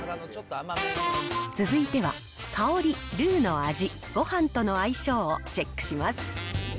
続いては、香り、ルーの味、ごはんとの相性をチェックします。